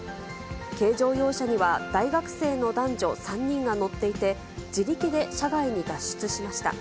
軽乗用車には大学生の男女３人が乗っていて、自力で車外に脱出しました。